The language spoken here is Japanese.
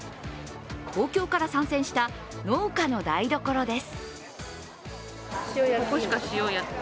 東京から参戦した農家の台所です。